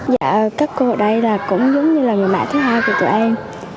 dạ các cô ở đây là cũng giống như là người mẹ thứ hai của tụi em